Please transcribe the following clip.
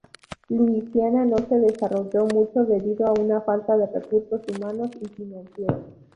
Luisiana no se desarrolló mucho debido a una falta de recursos humanos y financieros.